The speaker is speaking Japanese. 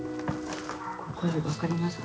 これ分かります？